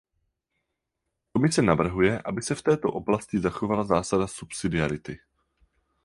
Komise navrhuje, aby se v této oblasti zachovala zásada subsidiarity.